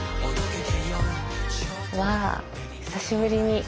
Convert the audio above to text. わあ久しぶりに。